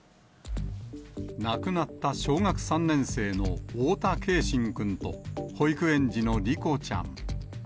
亡くなった小学３年生の太田継真君と、保育園児の梨心ちゃん。